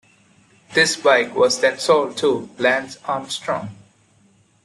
This bike was then sold to Lance Armstrong.